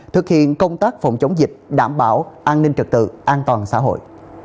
thực hiện công tác phòng chống dịch đảm bảo an ninh trật tự an toàn xã hội